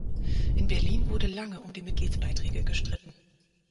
In Berlin wurde lange um die Mitgliedsbeiträge gestritten.